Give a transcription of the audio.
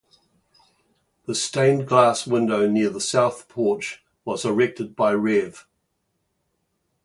The stained glass window near the south porch was erected by Rev.